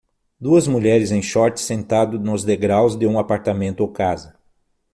Duas mulheres em shorts sentado nos degraus de um apartamento ou casa.